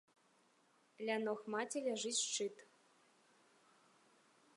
Ля ног маці ляжыць шчыт.